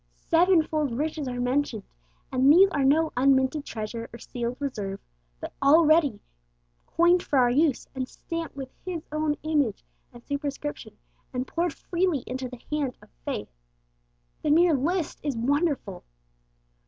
Seven fold riches are mentioned; and these are no unminted treasure or sealed reserve, but all ready coined for our use, and stamped with His own image and superscription, and poured freely into the hand of faith. The mere list is wonderful.